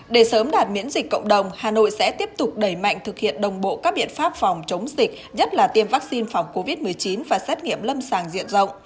để sớm đạt miễn dịch cộng đồng hà nội sẽ tiếp tục đẩy mạnh thực hiện đồng bộ các biện pháp phòng chống dịch nhất là tiêm vaccine phòng covid một mươi chín và xét nghiệm lâm sàng diện rộng